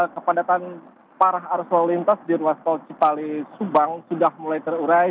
kepadatan parah arus lalu lintas di ruas tol cipali subang sudah mulai terurai